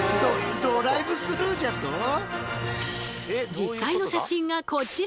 実際の写真がこちら！